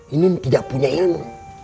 inin tidak punya ilmu